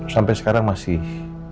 sampai sekarang masih